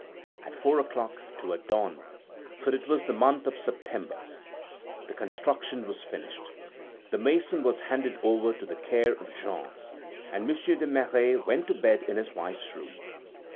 At four o'clock, toward dawn, for it was the month of September, the construction was finished. The mason was handed over to the care of Jean, and Monsieur de Merret went to bed in his wife's room.